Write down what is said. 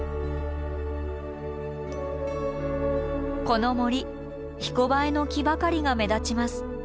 この森ひこばえの木ばかりが目立ちます。